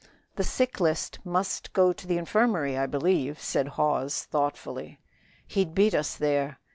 "The sick list must go to the infirmary, I believe," said Hawes, thoughtfully. "He'd beat us there.